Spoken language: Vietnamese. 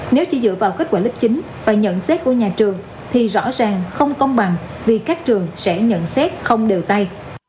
nếu chỉ dựa vào kết quả lớp chín và nhận xét của nhà trường thì rõ ràng không công bằng vì các trường sẽ nhận xét không đều tay